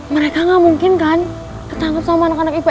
mereka gak mungkin kan ketangkep sama anak anak ips